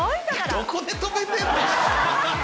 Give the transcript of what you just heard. どこで止めてんねん！